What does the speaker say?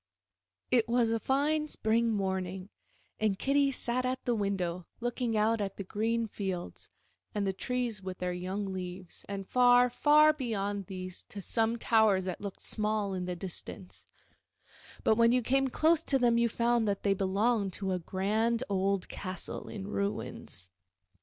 * It was a fine spring morning, and Kitty sat at the window looking out at the green fields and the trees with their young leaves, and far, far beyond these to some towers that looked small in the distance, but when you came close to them you found that they belonged to a grand old castle in ruins.